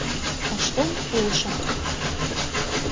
Ыштен пуышым.